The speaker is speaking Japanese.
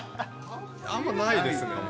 あまりないですね。